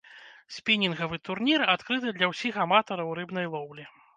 Спінінгавы турнір адкрыты для ўсіх аматараў рыбнай лоўлі.